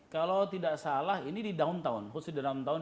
kalau tidak salah ini di downtown